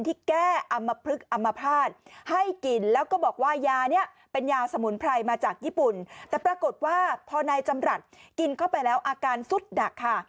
แต่ปรากฏว่าพอในจำหนัดกินเข้าไปแล้วอาการสุดหนักค่ะ